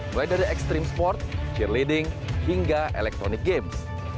mulai dari extreme sport cheerleading hingga elektronik games